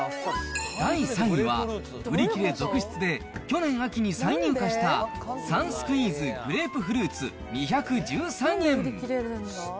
第３位は、売り切れ続出で、去年秋に再入荷した、サンスクイーズグレープフルーツ２１３円。